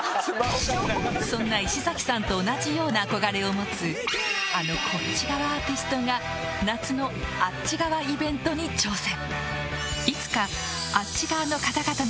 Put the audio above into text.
そんな石崎さんと同じような憧れを持つあのこっち側アーティストが夏のあっち側イベントに挑戦